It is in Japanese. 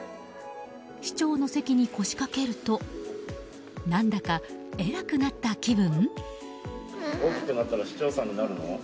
市長の席に腰かけると何だか、偉くなった気分？